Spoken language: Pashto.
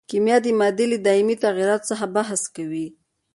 کیمیا د مادې له دایمي تغیراتو څخه بحث کوي.